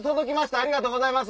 ありがとうございます。